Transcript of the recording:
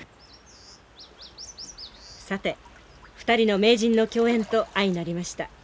さて２人の名人の競演と相成りました。